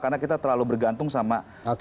karena kita terlalu bergantung sama